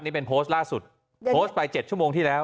นี่เป็นโพสต์ล่าสุดโพสต์ไป๗ชั่วโมงที่แล้ว